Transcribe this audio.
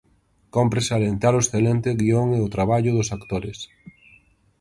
Cómpre salientar o excelente guión e o traballo dos actores.